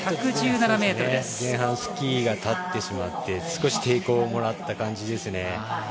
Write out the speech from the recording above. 前半スキーが立ってしまって少し抵抗をもらった感じですね。